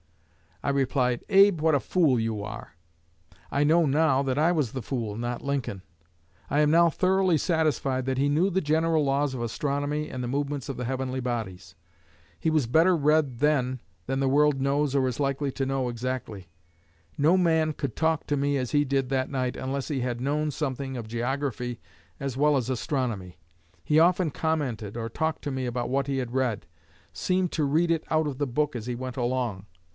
I replied, 'Abe, what a fool you are!' I know now that I was the fool, not Lincoln. I am now thoroughly satisfied that he knew the general laws of astronomy and the movements of the heavenly bodies. He was better read then than the world knows or is likely to know exactly. No man could talk to me as he did that night unless he had known something of geography as well as astronomy. He often commented or talked to me about what he had read, seemed to read it out of the book as he went along.